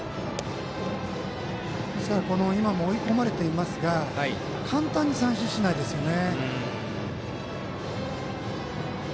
ですから今も追い込まれてますが簡単に三振しないですよね。